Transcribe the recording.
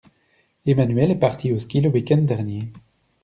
Emmanuel est parti au ski le week-end dernier.